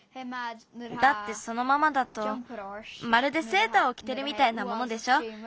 だってそのままだとまるでセーターをきてるみたいなものでしょ。